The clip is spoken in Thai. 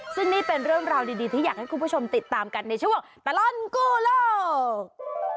ซึ่งนี่เป็นเรื่องราวดีที่อยากให้คุณผู้ชมติดตามกันในช่วงตลอดกู้โลก